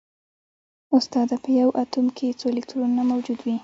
استاده په یو اتوم کې څو الکترونونه موجود وي